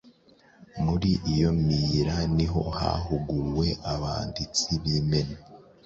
Muri iyo miyira ni ho hahuguwe abanditsi b'imena